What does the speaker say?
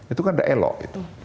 itu kan nggak elok itu